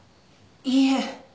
いいえ。